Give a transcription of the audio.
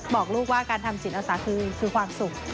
บอกลูกว่าการทำจิตอาสาคือความสุข